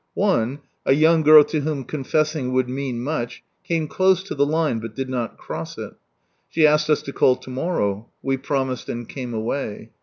One, a young girl to whom confessing would mean much, came close to the line, hut did not cross it. She asked us to call to morrow : we promised, and came away.